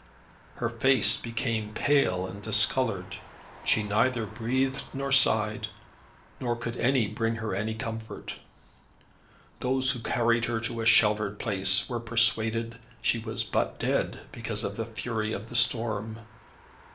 Her face became pale and discoloured; she neither breathed nor sighed, nor could any bring her any comfort. Those who carried her to a sheltered place, were persuaded that she was but dead, because of the fury of the storm.